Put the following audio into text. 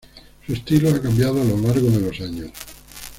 Su estilo ha cambiado a lo largo de los años.